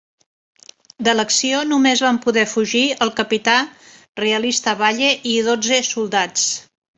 De l'acció només van poder fugir el capità realista Valle i dotze soldats.